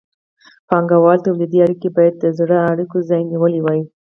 بانګوالي تولیدي اړیکې باید د زړو اړیکو ځای نیولی وای.